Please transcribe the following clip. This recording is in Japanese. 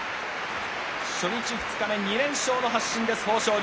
初日２日目、２連勝の発進です、豊昇龍。